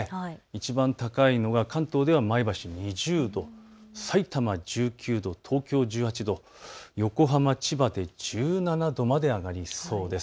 いちばん高いのが関東では前橋、２０度、さいたま１９度、東京１８度、横浜、千葉で１７度まで上がりそうです。